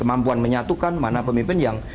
kemampuan menyatukan mana pemimpin yang